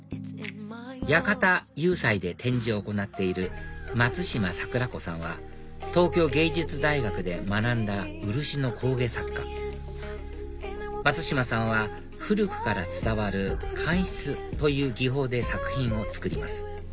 館・游彩で展示を行っている松島さくら子さんは東京藝術大学で学んだ漆の工芸作家松島さんは古くから伝わる乾漆という技法で作品を作ります